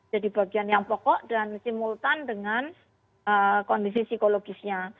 jadi bagian yang pokok dan simultan dengan kondisi psikologisnya